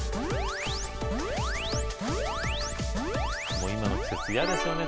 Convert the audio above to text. もう今の季節嫌ですよね